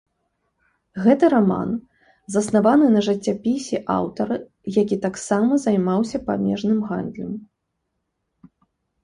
Гэты раман заснаваны на жыццяпісе аўтара, які таксама займаўся памежным гандлем.